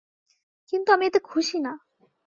কিন্তু আমি এতে খুশি না।